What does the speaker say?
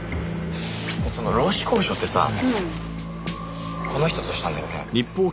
その労使交渉ってさこの人としたんだよね？